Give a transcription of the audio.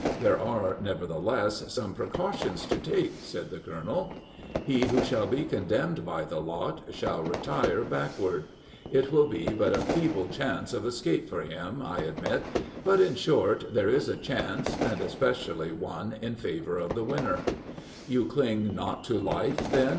'There are, nevertheless, some precautions to take,' said the Colonel." "'He who shall be condemned by the lot, shall retire backward. It will be but a feeble chance of escape for him, I admit; but, in short, there is a chance, and especially one in favor of the winner,'" "'You cling not to life, then?'